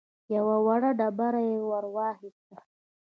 يوه وړه ډبره يې ور واخيسته.